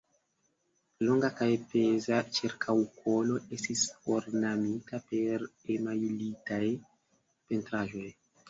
Longa kaj peza ĉirkaŭkolo estis ornamita per emajlitaj pentraĵoj.